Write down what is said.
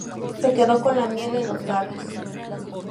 Se quedó con la miel en los labios